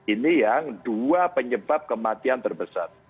ini yang dua penyebab kematian terbesar